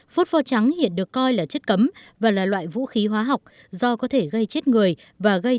phốt pho trắng hiện được coi là chất cấm và là loại vũ khí hóa học do có thể gây chết người và gây